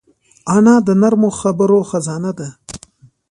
انا د نرمو خبرو خزانه ده